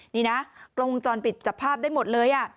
นี่นะกล้องวงจรปิดจับภาพได้หมดเลย